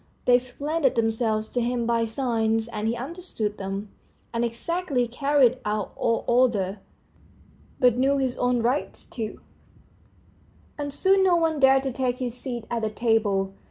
They explained themselves to him by signs, and he understood them, and exactly carried out all orders, but knew his own rights too, and soon no one dared to take his seat at the table.